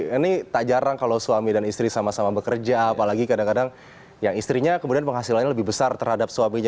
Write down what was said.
ini tak jarang kalau suami dan istri sama sama bekerja apalagi kadang kadang yang istrinya kemudian penghasilannya lebih besar terhadap suaminya